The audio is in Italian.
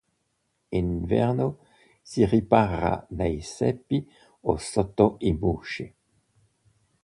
In inverno si ripara nei ceppi o sotto i muschi.